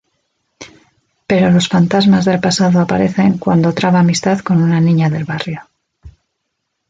Pero los fantasmas del pasado aparecen cuando traba amistad con una niña del barrio.